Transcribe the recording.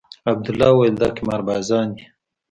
عبدالله وويل دا قمار بازان دي.